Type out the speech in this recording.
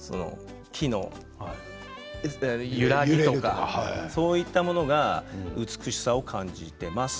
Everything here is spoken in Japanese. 木の揺らぎとかそういったものに美しさを感じています。